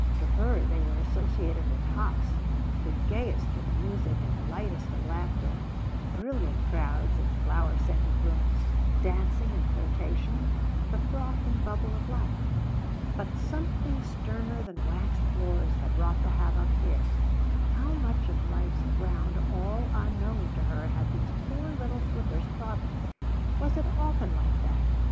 To her they were associated with hops, the gayest of music and lightest of laughter, brilliant crowds in flower scented rooms, dancing and flirtation the froth and bubble of life. But something sterner than waxed floors had wrought the havoc here. How much of life's ground all unknown to her had these poor little slippers trodden? Was it often like that?